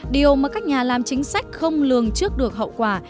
điều mà các nhà làm chính sách không lường trước được hậu quả